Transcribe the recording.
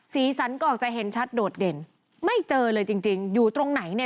สีสันก็ออกจะเห็นชัดโดดเด่นไม่เจอเลยจริงจริงอยู่ตรงไหนเนี่ย